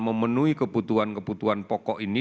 memenuhi kebutuhan kebutuhan pokok ini